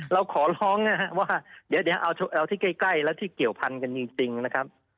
เราขอร้องนะครับว่าเดี๋ยวเอาที่ใกล้แล้วที่เกี่ยวพันกันจริงนะครับ